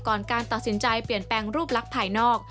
การตัดสินใจเปลี่ยนแปลงรูปลักษณ์ภายนอก